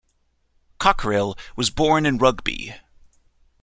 Cockerill was born in Rugby.